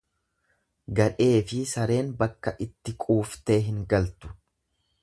Gadheefi sareen bakka itti quuftee hin galtu.